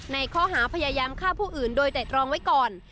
ในข้อหาพยายามฆ่าผู้อื่นโดยแต่ตรองไว้ก่อน